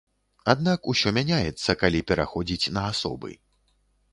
Аднак усё мяняецца, калі пераходзіць на асобы.